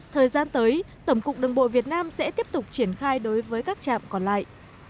thời gian tới tổng cục đường bộ việt nam sẽ tiếp tục triển khai đối với các trạm còn lại